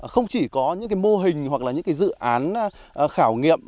không chỉ có những mô hình hoặc là những dự án khảo nghiệm